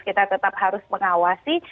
kita tetap harus mengawasi